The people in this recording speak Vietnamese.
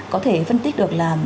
có thể phân tích được là